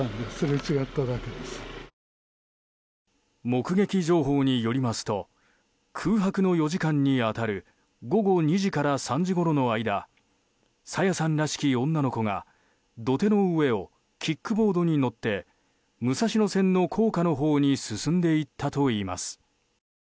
目撃情報によりますと空白の４時間に当たる午後２時から３時ごろの間朝芽さんらしき女の子が土手の上をキックボードに乗って武蔵野線の高架のほうに進んでいったといいます。